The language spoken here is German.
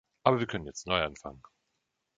Aber wir können jetzt neu anfangen.